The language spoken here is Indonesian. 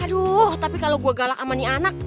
aduh tapi kalau gue galak sama ni anak